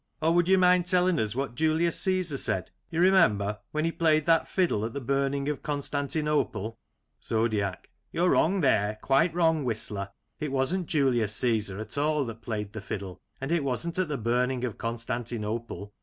Or, would you mind telling us what Julius Caesar said, you remember, when he played that fiddle at the burning of Constantinople ? Zodiac : You're wrong there, quite wrong. Whistler. It wasn't Julius Caesar at all that played the fiddle; and it wasn't at the burning of Constantinople.